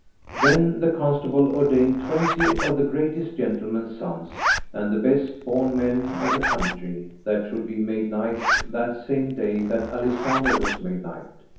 Then the Constable ordained twenty of the greatest gentlemen's sons, and the best born men of the country, that should be made knights that same day that Alisander was made knight.